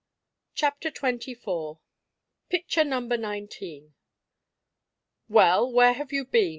CHAPTER XXIV PICTURE NUMBER NINETEEN "Well, where have you been?"